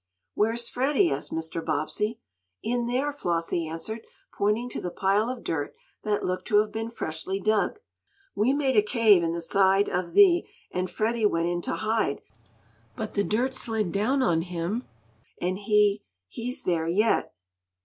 "Where's Freddie?" asked Mr. Bobbsey. "In there," Flossie answered, pointing to the pile of dirt that looked to have been freshly dug. "We made a cave in the side of the and Freddie went in to hide, but he dirt slid down on him and he he's there yet!"